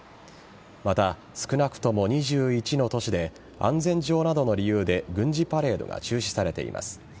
また、少なくとも２１の都市で安全上などの理由で軍事パレードが中止されています。